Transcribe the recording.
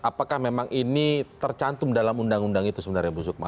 apakah memang ini tercantum dalam undang undang itu sebenarnya bu sukma